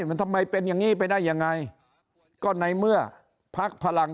มันทำไมเป็นอย่างนี้ไปได้ยังไงก็ในเมื่อพักพลัง